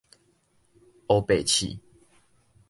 烏白試